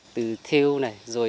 từ theo này